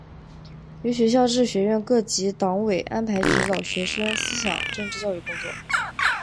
由学校至学院各级党委安排指导学生思想政治教育工作。